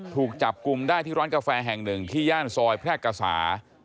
ถูกจับกลุ่มได้ที่ร้านกาแฟแห่งหนึ่งที่ย่านซอยแพร่กษา